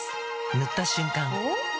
塗った瞬間おっ？